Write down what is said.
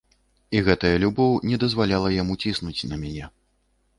І гэтая любоў не дазваляла яму ціснуць на мяне.